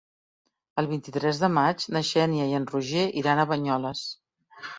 El vint-i-tres de maig na Xènia i en Roger iran a Banyoles.